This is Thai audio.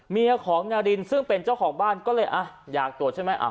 เมียของนารินซึ่งเป็นเจ้าของบ้านก็เลยอยากตรวจใช่ไหม